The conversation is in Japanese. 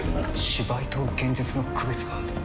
芝居と現実の区別がつかない！